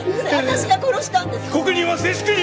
被告人は静粛に！